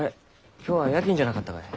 今日は夜勤じゃなかったかえ？